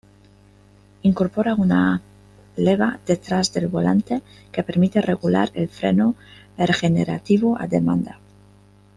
Incorpora una leva detrás del volante que permite regular el freno regenerativo a demanda.